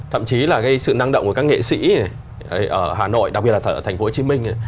thậm chí là cái sự năng động của các nghệ sĩ ở hà nội đặc biệt là ở thành phố hồ chí minh